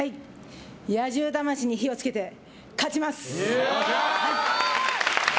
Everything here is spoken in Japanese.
野獣魂に火を付けて勝ちます！